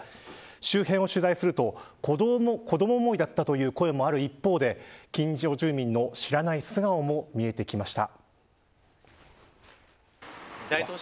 周辺を取材すると子ども思いだったという声もある一方で近所住民の知らない素顔も見えてきました。